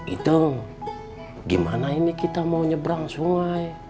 itung gimana ini kita mau nyeberang sungai